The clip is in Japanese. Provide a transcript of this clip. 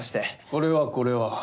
これはこれは。